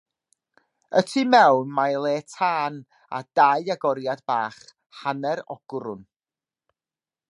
Y tu mewn mae le tân a dau agoriad bach, hanner ogrwn.